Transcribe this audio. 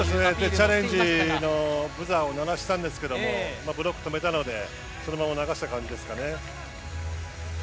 チャレンジのブザーを鳴らしたんですがブロック止めたのでそのまま流した感じですかね。